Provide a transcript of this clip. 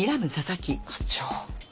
課長。